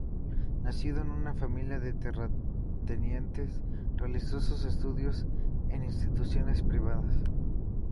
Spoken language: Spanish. Nacido en una familia de terratenientes, realizó sus estudios en instituciones privadas.